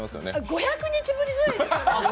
５００日ぶりぐらいですね。